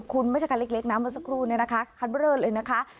คุณวัชการเล็กน้ำมันสักครู่นะคะคันเบอร์เริ่มเลยนะคะ